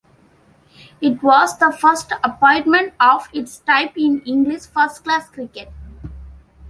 It was the first appointment of its type in English first class cricket.